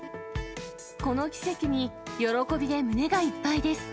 この奇跡に喜びで胸がいっぱいです。